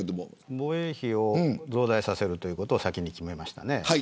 防衛費を増大させるということを先に決めましたね。